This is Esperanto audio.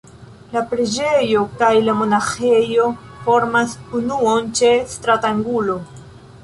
La preĝejo kaj la monaĥejo formas unuon ĉe stratangulo.